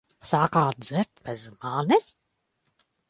Sākāt dzert bez manis?